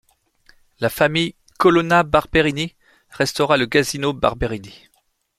La famille Colonna-Barberini restaura le Casino Barberini.